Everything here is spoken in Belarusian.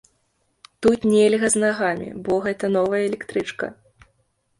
Тут нельга з нагамі, бо гэта новая электрычка.